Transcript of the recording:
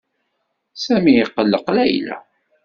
Sami iqelleq Layla.